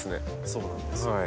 そうなんですよ。